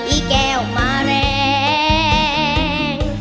อีแก้วมาแรง